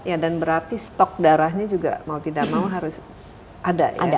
ya dan berarti stok darahnya juga mau tidak mau harus ada ya